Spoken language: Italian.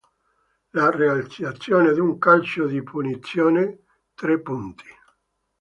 La realizzazione di un calcio di punizione: tre punti.